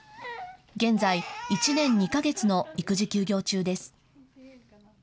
現在、１年２か月の育児休業中です。